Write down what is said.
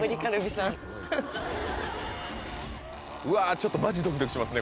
ちょっとマジドキドキしますね